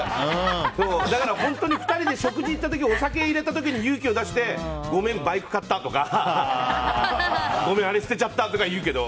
だから本当に２人で食事行った時お酒を入れて、勇気を出してごめん、バイク買ったとかあれ捨てちゃったとか言うけど。